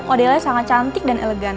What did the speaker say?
modelnya sangat cantik dan elegan